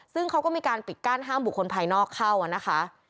ซึ่งเขาก็มีการปิดกั้นห้ามบุคคลภายนอกเข้านะคะ